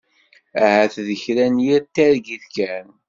Ahat d kra n yir targit kan.